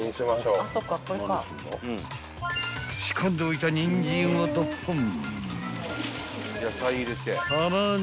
［仕込んでおいたニンジンをドッポン］